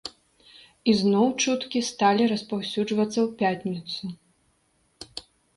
Ізноў чуткі сталі распаўсюджвацца ў пятніцу.